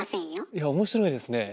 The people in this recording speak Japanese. いや面白いですね。